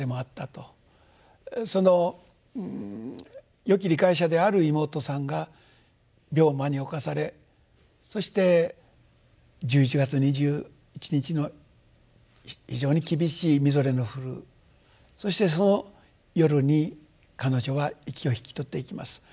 そのよき理解者である妹さんが病魔に侵されそして１１月２７日の非常に厳しいみぞれの降るそしてその夜に彼女は息を引き取っていきます。